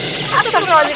menyerah hambatan betting